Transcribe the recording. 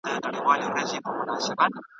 هغه همدا اوس خپل ملګري ته د تېروتني بخښنه کوي.